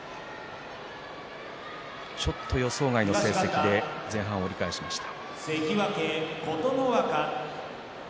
ちょっと予想外の成績で前半を折り返しました。